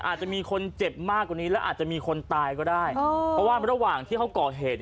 อาจจะมีคนเจ็บมากกว่านี้แล้วอาจจะมีคนตายก็ได้เพราะว่าระหว่างที่เขาก่อเหตุ